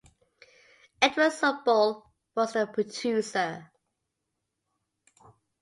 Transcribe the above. Edward Sobol was the producer.